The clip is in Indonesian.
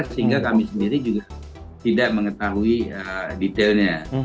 sehingga kami sendiri juga tidak mengetahui detailnya